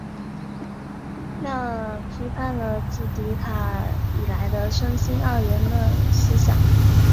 赖尔批判了自笛卡尔以来的身心二元论思想。